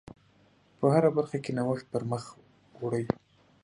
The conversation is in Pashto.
په هره برخه کې نوښت پر مخ وړئ.